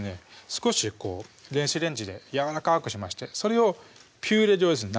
少し電子レンジでやわらかくしましてそれをピューレ状ですね